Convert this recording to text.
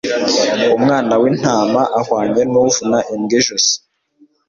umwana w intama ahwanye n uvuna imbwa ijosi